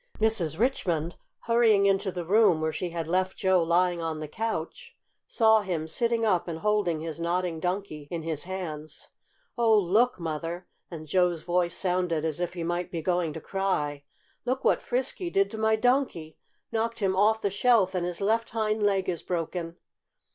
Mrs. Richmond, hurrying into the room where she had left Joe lying on the couch, saw him sitting up and holding his Nodding Donkey in his hands. "Oh, look, Mother!" and Joe's voice sounded as if he might be going to cry. "Look what Frisky did to my Donkey! Knocked him off the shelf, and his left hind leg is broken."